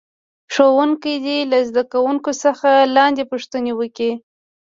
ښوونکی دې له زده کوونکو څخه لاندې پوښتنې وکړي.